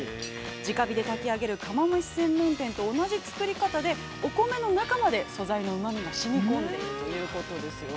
直火で炊き上げる、釜飯専門店と同じ作り方で、お米の中まで、素材のうまみが染み込んでいるということですよ。